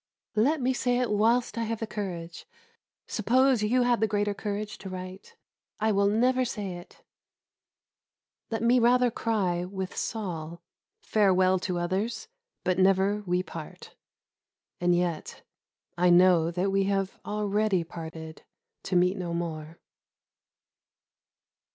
"Let me say it whilst I have the courage." Suppose you had the greater courage to write, "I will never say it." Let me rather cry with Saul, "Farewell to others, but never we part." And yet I know that we have already parted to meet no more.